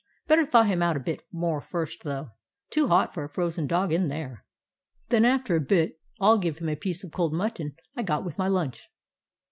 Better thaw him out a bit more first, though. Too hot for a frozen dog in there. Then after a bit I 'll give him a piece of cold mutton I got with my lunch."